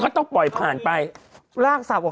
แต่อาจจะส่งมาแต่อาจจะส่งมา